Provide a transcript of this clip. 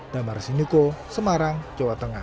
damar sinuko semarang jawa tengah